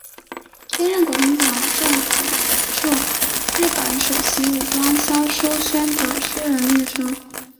兼任国民党政府驻日本首席武官肖叔宣的私人秘书。